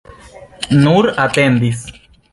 Nur atendis.